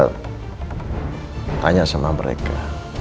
tanya sama mereka